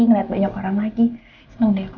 ngeliat banyak orang lagi seneng deh aku